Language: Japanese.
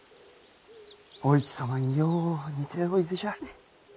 お市様によう似ておいでじゃ。